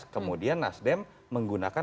kemudian nasdem menggunakan